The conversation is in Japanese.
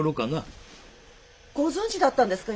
ご存じだったんですか？